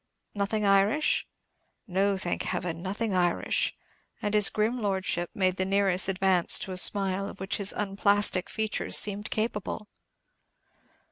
"Nothing Irish?" "No, thank Heaven, nothing Irish;" and his grim Lordship made the nearest advance to a smile of which his unplastic features seemed capable.